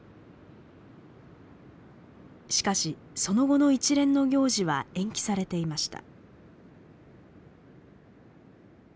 しかしその後の一連の行事は延期されていました。